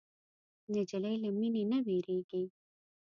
نجلۍ له مینې نه وږيږي.